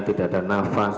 tidak ada nafas